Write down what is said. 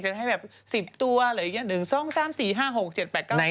จะให้แบบ๑๐ตัวอะไรอย่างนี้